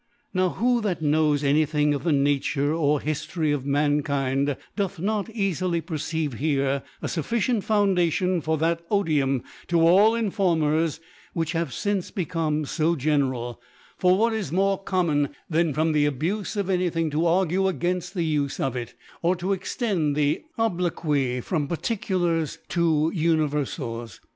Now who that knows any thing of the Nature or Hiftory of Mankind, doth not eafijy perceive here a fufEcient Foundation for that Odium to all Informers which' hath fince become fo general: For what is more comnbon than from the Abufe of any thing to argue againft the XJfc of it, or to extend Obloquy from Particulars to Uni verfals